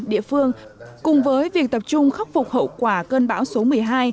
địa phương cùng với việc tập trung khắc phục hậu quả cơn bão số một mươi hai cần chủ động các phương án